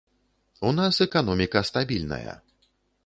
У нас эканоміка стабільная.